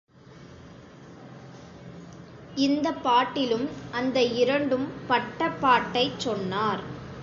இந்தப் பாட்டிலும் அந்த இரண்டும் பட்ட பாட்டைச் சொன்னார்.